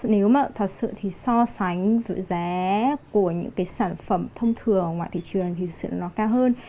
nếu mà thật sự thì so sánh giá của những cái sản phẩm thông thường ngoại thị trường thì sự nó cao hơn